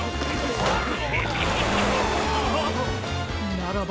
ならば！